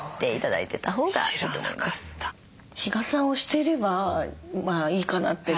日傘をしてればまあいいかなって。